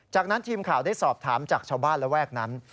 จากนั้นทีมข่าวได้สอบถามจากชาวบ้านระแวกนั้น